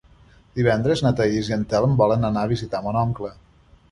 Divendres na Thaís i en Telm volen anar a visitar mon oncle.